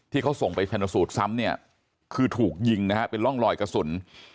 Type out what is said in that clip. ที่เขาส่งไปชนสูตรซ้ำเนี่ยคือถูกยิงนะฮะเป็นร่องรอยกระสุน